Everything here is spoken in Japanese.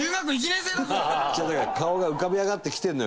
顔が浮かび上がってきてるのよ